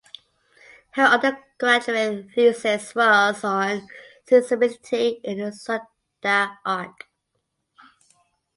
Her undergraduate thesis was on seismicity in the Sunda Arc.